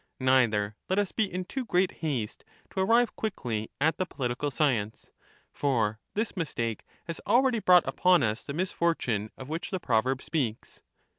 Neither let us be in too great haste to arrive quickly at the political science; for this mistake has already brought upon us the misfortune of which the proverb speaks.